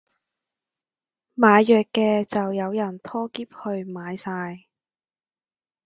賣藥嘅就有人拖喼去買晒